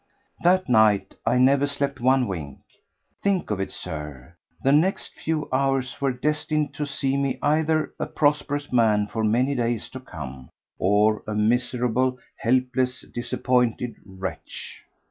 That night I never slept one wink. Think of it, Sir! The next few hours were destined to see me either a prosperous man for many days to come, or a miserable, helpless, disappointed wretch.